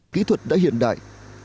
kỹ thuật đã hiện đại